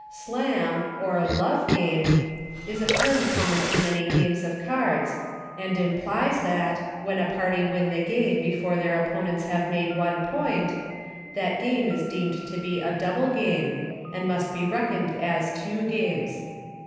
Slam, or Love game, is a term common to many games of cards, and implies that, when a party win the game, before their oppo nents have made one point, that game is deemed to be a double game, and must be reckoned as two games.